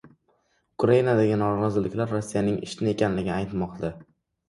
Ukrainadagi noroziliklar Rossiyaning ishi ekanligi aytilmoqda